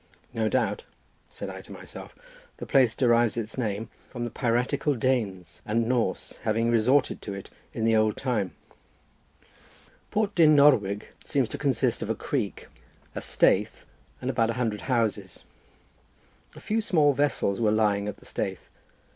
"No doubt," said I to myself, "the place derives its name from the piratical Danes and Norse having resorted to it in the old time." Port Dyn Norwig seems to consist of a creek, a staithe, and about a hundred houses: a few small vessels were lying at the staithe.